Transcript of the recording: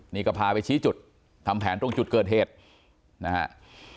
นี่ก็พาไปชี้จุดทำแผนตรงจุดเกิดเหตุนะฮะ